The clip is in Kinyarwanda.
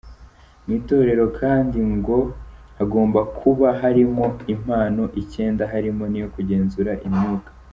Mu itorero kandi ngo hagomba kuba harimo impano icyenda harimo n’iyo kugenzura imyuka.